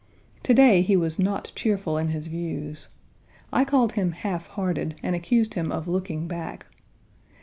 To day he was not cheerful in his views. I called him half hearted, and accused him of looking back.